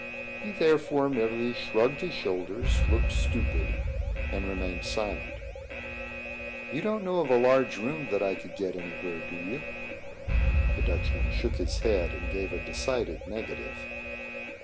He, therefore, merely shrugged his shoulders, looked stupid, and remained silent. "You don't know of a large room that I could get anywhere, do you?" The Dutchman shook his head, and gave a decided negative.